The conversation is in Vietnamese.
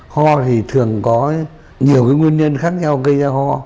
ho thì thường có nhiều cái nguyên nhân khác nhau gây ra ho